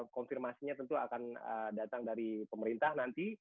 konfirmasinya tentu akan datang dari pemerintah nanti